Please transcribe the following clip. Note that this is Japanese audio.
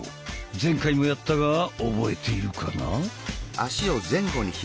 前回もやったが覚えているかな？